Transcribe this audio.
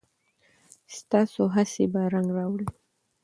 ستاسو هڅې به رنګ راوړي.